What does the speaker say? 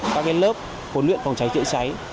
các lớp phổn luyện phòng cháy chữa cháy